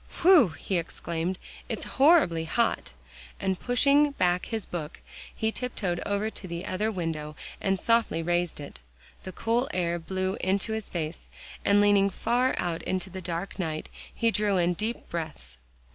"Whew!" he exclaimed, "it's horribly hot," and pushing back his book, he tiptoed over to the other window and softly raised it. The cool air blew into his face, and leaning far out into the dark night, he drew in deep breaths.